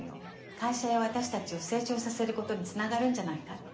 会社や私たちを成長させることにつながるんじゃないかって。